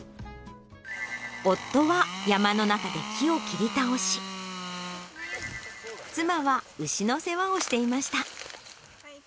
夫は、山の中で木を切り倒し、妻は牛の世話をしていました。